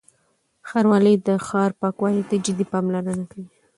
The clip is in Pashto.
ښاروالۍ د ښار پاکوالي ته جدي پاملرنه کوي.